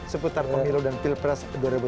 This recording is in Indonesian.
seputar pemilu dan pilpres dua ribu sembilan belas